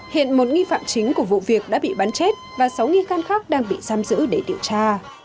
hiện một nghi phạm chính của vụ việc đã bị bắn chết và sáu nghi can khác đang bị giam giữ để điều tra